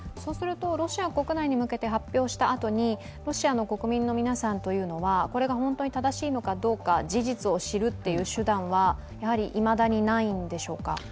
ロシア国内に向けて発表したあとに、ロシアの国民の皆さんというのはこれが本当に正しいのかどうか事実を知るという手段は、いまだにないんでしょうか。